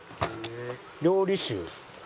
料理酒。